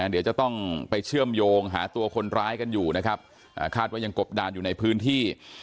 เดี๋ยวจะต้องไปเชื่อมโยงหาตัวคนร้ายกันอยู่นะครับคาดว่ายังกบดานอยู่ในพื้นที่